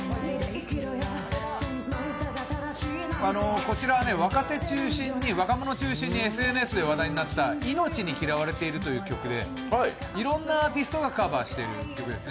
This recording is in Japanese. こちらは若者中心にＳＮＳで話題になった「命に嫌われている」という曲でいろんなアーティストがカバーしているんですね。